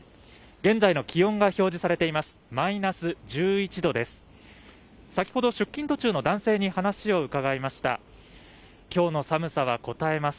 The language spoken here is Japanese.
現在の気温が表示されています。